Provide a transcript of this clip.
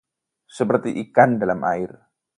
Seperti ikan dalam air